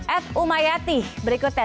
ed umayati berikutnya